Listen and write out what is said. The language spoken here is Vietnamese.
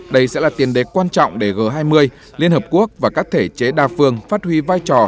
đây sẽ là tiền đế quan trọng để g hai mươi liên hợp quốc và các thể chế đa phương phát huy vai trò